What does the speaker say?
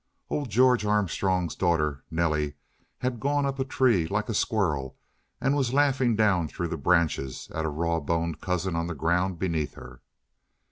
Old George Armstrong's daughter, Nelly, had gone up a tree like a squirrel and was laughing down through the branches at a raw boned cousin on the ground beneath her.